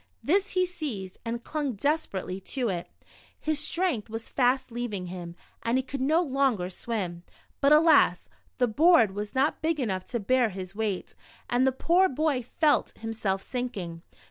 This he seized, and clung desperately to it. His strength was fast leaving him, and he could no longer swim. But alas ! the board was not big enough to bear his w^eight, and the poor boy felt himself sinking